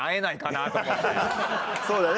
そうだね